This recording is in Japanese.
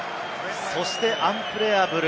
そしてアンプレアブル。